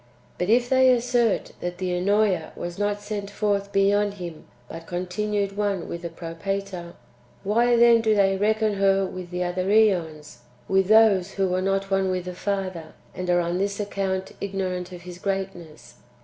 But if they assert that the (Ennoea) was not sent forth beyond Him, but continued one with the Propator, why then do they reckon her with the other ^ons — with those who were not one [with the Father], and are on this account ignorant of His greatness